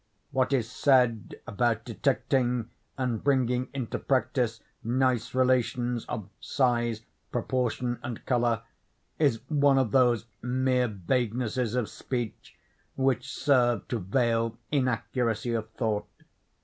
What is said about detecting and bringing into practice nice relations of size, proportion, and color, is one of those mere vaguenesses of speech which serve to veil inaccuracy of thought.